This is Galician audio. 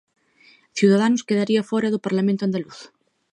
Ciudadanos quedaría fóra do Parlamento andaluz.